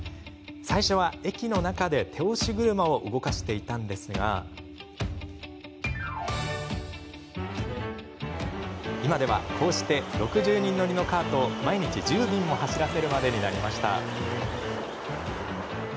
最初は駅の中で手押し車を動かしていたのですが今では、こうして６０人乗りのカートを毎日１０便も走らせるまでになりました。